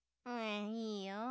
いいよ。